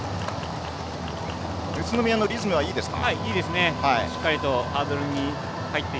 宇都宮のリズムもいいですか。